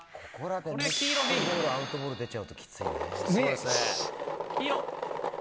ここでアウトボール出ちゃうときついよね。